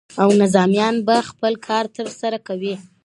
او نظامیان به خپل کار ترسره کوي.